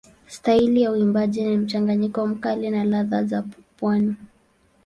Staili ya uimbaji ni mchanganyiko mkali na ladha za pwani.